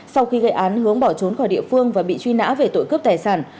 sau khi gây án hướng bỏ trốn khỏi địa phương và bị truy nã về tội cướp tài sản